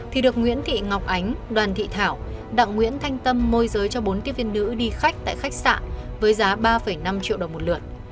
thì được nguyễn thị ngọc ánh đoàn thị thảo đặng nguyễn thanh tâm môi giới cho bốn tiếp viên nữ đi khách tại khách sạn với giá ba năm triệu đồng một lượt